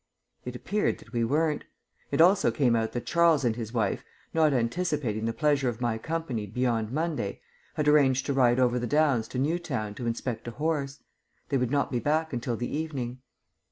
It appeared that we weren't. It also came out that Charles and his wife, not anticipating the pleasure of my company beyond Monday, had arranged to ride over the downs to Newtown to inspect a horse. They would not be back until the evening.